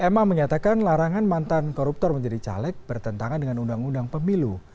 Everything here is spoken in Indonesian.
ma menyatakan larangan mantan koruptor menjadi caleg bertentangan dengan undang undang pemilu